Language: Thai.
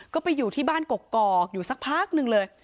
ก็ไปอยู่ที่บ้านกกอกอยู่สักพักหนึ่งเลย